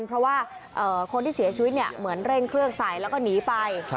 เพราะว่าคนที่เสียชีวิตเหมือนเร่งเครื่องใส่แล้วก็หนีไป